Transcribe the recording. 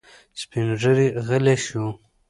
سپین ږیری غلی شو.